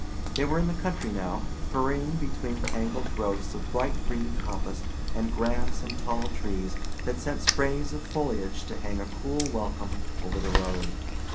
They were in the country now, hurrying between tangled growths of bright green coppice and grass and tall trees that sent sprays of foliage to hang a cool welcome over the road.